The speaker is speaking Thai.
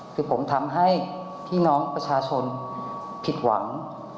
คือผมทำให้พี่น้องประชาชนผิดหวัง